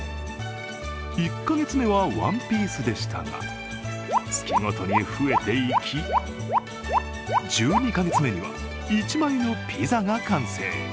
１か月目は１ピースでしたが月ごとに増えていき１２か月目には１枚のピザが完成。